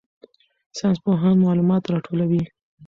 ساینسپوهان معلومات راټولوي.